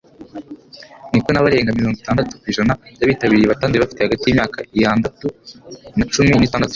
Niko nabarenga mirongo itandatu ku ijana byabitabiriye batanduye bafite hagati yimyaka iandatu na cumi n’itandatu